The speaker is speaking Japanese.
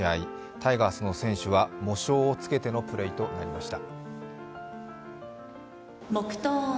タイガースの選手は喪章を着けてのプレーとなりました。